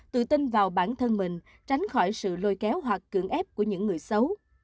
tự tin vào bản thân mình tránh khỏi sự lôi kéo hoặc cưỡng ép của những người xấu